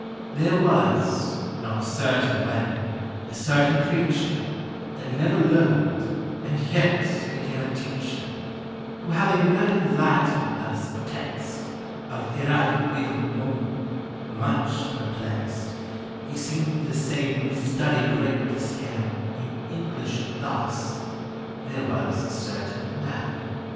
There was (not certaine when) a certaine preacher, That never learned, and yet became a teacher, Who having read in Latine thus a text Of erat quidam homo, much perplext, He seemed the same with studie great to scan, In English thus, There was a certaine man.